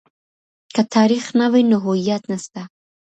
که تاريخ نه وي نو هويت نسته.